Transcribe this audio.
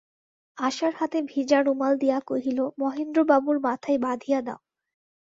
আশার হাতে ভিজা রুমাল দিয়া কহিল, মহেন্দ্রবাবুর মাথায় বাঁধিয়া দাও।